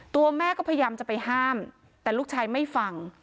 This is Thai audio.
ตัวแม่ก็พยายามจะไปห้ามแต่ลูกชายไม่ฟัง